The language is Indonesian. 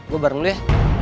gue bareng lu ya